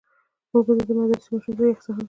اوبه د مدرسې ماشوم ته یخ څښاک دی.